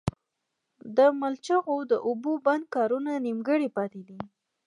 د مچلغو د اوبو بند کارونه نيمګړي پاتې دي